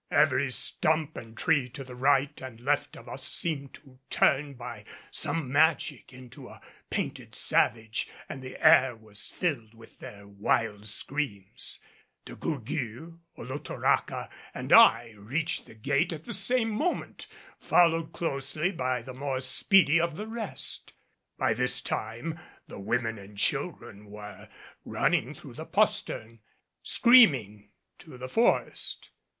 Every stump and tree to the right and left of us seemed to turn by some magic into a painted savage and the air was filled with their wild screams. De Gourgues, Olotoraca and I reached the gate at the same moment, followed closely by the more speedy of the rest. By this time the women and children were running through the postern, screaming, to the forest.